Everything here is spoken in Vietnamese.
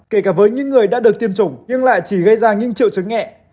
kể cả với những người đã được tiêm chủng nhưng lại chỉ gây ra những triệu chứng nhẹ